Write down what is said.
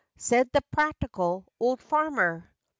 " Said the practical old farmer.